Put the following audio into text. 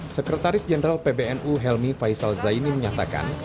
sekretaris jenderal pbnu helmi faisal zaini menyatakan